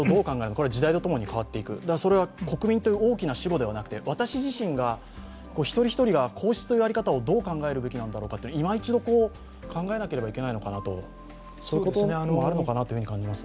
それは時代とともに代わっていくそれは国民という大きな主語ではなくて、私自身が一人一人が皇室という在り方をどう考えるべきなのか、いま一度、考えなければいけないのかなと感じます。